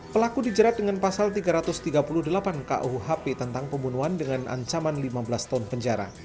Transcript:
pelaku dijerat dengan pasal tiga ratus tiga puluh delapan kuhp tentang pembunuhan dengan ancaman lima belas tahun penjara